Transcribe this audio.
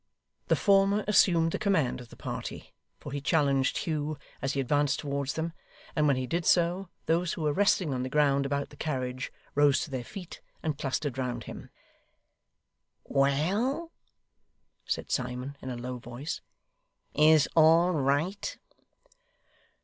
The former assumed the command of the party, for he challenged Hugh as he advanced towards them; and when he did so, those who were resting on the ground about the carriage rose to their feet and clustered round him. 'Well!' said Simon, in a low voice; 'is all right?